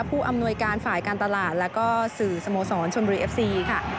ผู้อำนวยการฝ่ายการตลาดแล้วก็สื่อสโมสรชนบุรีเอฟซีค่ะ